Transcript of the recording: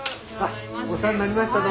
お世話になりまして。